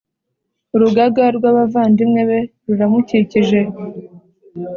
urugaga rw’abavandimwe be ruramukikije,